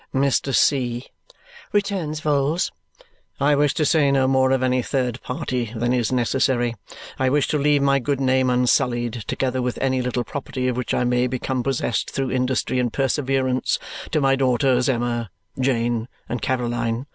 "Mr. C.," returns Vholes, "I wish to say no more of any third party than is necessary. I wish to leave my good name unsullied, together with any little property of which I may become possessed through industry and perseverance, to my daughters Emma, Jane, and Caroline.